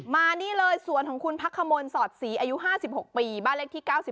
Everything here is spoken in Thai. มานี่เลยสวนของคุณพักขมลสอดศรีอายุ๕๖ปีบ้านเลขที่๙๒